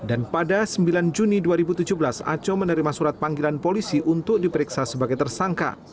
aco menerima surat panggilan polisi untuk diperiksa sebagai tersangka